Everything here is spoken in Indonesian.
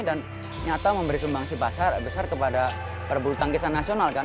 dan nyata memberi sumbangsi besar kepada perburu tangkisan nasional kan